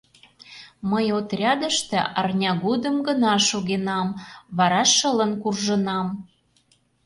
Мый отрядыште арня годым гына шогенам... вара шылын куржынам...